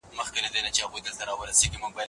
څوک یې مړوند باندې اوده شي